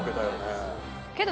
けど